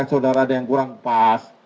saudara ada yang kurang pas